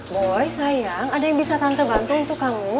boy sayang ada yang bisa tante bantu untuk kamu